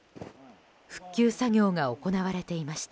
復旧作業が行われていました。